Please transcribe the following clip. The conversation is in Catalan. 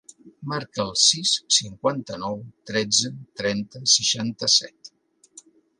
Marca el sis, cinquanta-nou, tretze, trenta, seixanta-set.